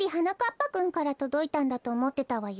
ぱくんからとどいたんだとおもってたわよ。